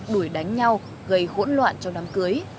bị đánh nhau gây hỗn loạn trong đám cưới